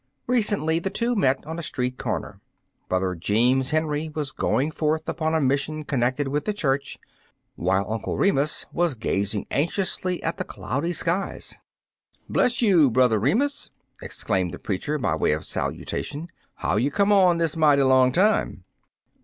Recently the two met on a street comer. Brother Jeen» Henry was going forth upon a mission connected with the church, while Uncle Remus was gazing anxiously at the cloudy skies. "Bless you, Brother Remus!" exclaimed the preacher by way of salutation. "How you come on this mighty long time?"